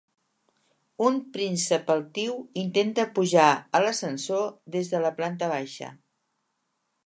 Un príncep altiu intenta pujar a l'ascensor des de la planta baixa.